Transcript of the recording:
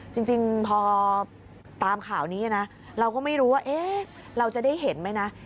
จริงพอตามข่าวนี้นะเราก็ไม่รู้ว่าเราจะได้เห็นไหมนะ